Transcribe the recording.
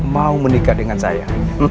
mau menikah dengan saya